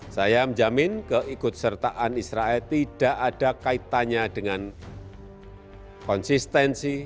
saya menjamin keikutsertaan israel tidak ada kaitannya dengan konsistensi